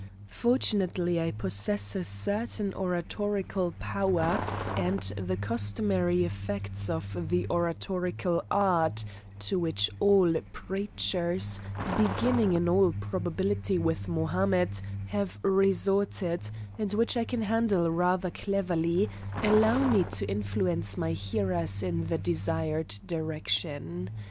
Fortunately I possess a certain oratorical power, and the customary effects of the oratorical art, to which all preachers, beginning in all probability with Mohammed, have resorted, and which I can handle rather cleverly, allow me to influence my hearers in the desired direction.